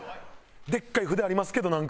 でっかい筆ありますけどなんか。